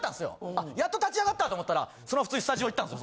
あやっと立ち上がったと思ったらそのまま普通にスタジオ行ったんですよ。